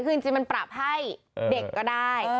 คือจริงมันปรับให้เด็กก็ได้